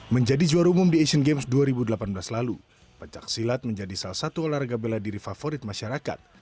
menjadi juara umum di asian games dua ribu delapan belas lalu pencaksilat menjadi salah satu olahraga bela diri favorit masyarakat